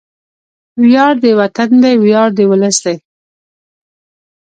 وياړ د وطن دی، ویاړ د ولس دی